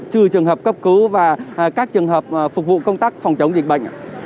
trừ trường hợp cấp cứu và các trường hợp phục vụ công tác phòng chống dịch bệnh